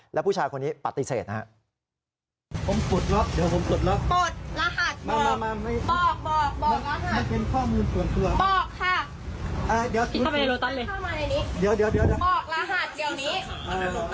แล้วผู้ชายคนนี้ปฏิเสธนะครับ